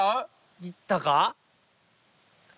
いったかな？